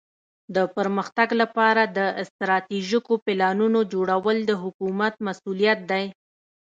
د پرمختګ لپاره د استراتیژیکو پلانونو جوړول د حکومت مسؤولیت دی.